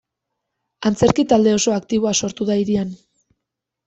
Antzerki talde oso aktiboa sortu da hirian.